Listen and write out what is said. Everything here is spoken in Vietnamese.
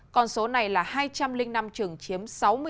còn số này là hai trăm linh năm trường chiếm sáu mươi sáu năm mươi năm